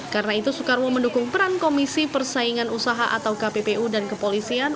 karena itu soekarwo mendukung peran komisi persaingan usaha atau kppu dan kepolisian